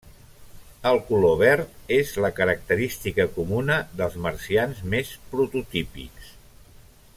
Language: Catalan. El color verd és la característica comuna dels marcians més prototípics.